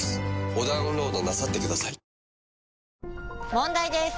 問題です！